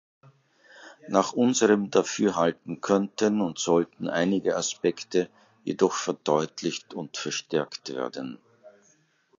Nach unserem Dafürhalten könnten und sollten einige Aspekte jedoch verdeutlicht und verstärkt werden.